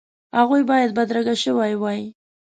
هغوی باید بدرګه شوي وای.